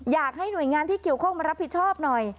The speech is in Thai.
อยากให้หน่วยงานที่เกี่ยวข้องมารับผิดชอบหน่อย